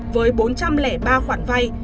với bốn trăm linh ba khoản vay